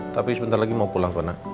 tapi sebentar lagi mau pulang fana